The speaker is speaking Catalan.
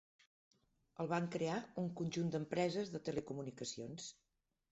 El van crear un conjunt d'empreses de telecomunicacions.